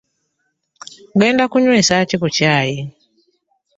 Ogenda kunywesa ki ku kyaayi?